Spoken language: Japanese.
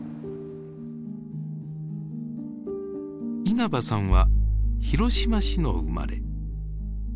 稲葉さんは広島市の生まれ。